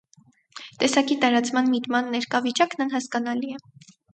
Տեսակի տարածման միտման ներկա վիճակն անհասկանալի է։